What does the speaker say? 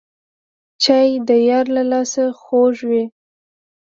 چای د یار له لاسه خوږ وي